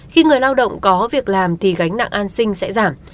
khi người lao động có việc làm thì gánh nặng an sinh sẽ giảm